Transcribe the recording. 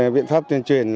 viện pháp tuyên truyền